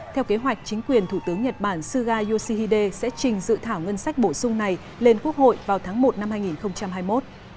theo kế hoạch chính quyền thủ tướng nhật bản suga yoshihide sẽ trình dự thảo ngân sách bổ sung này lên quốc hội vào tháng một năm hai nghìn hai mươi một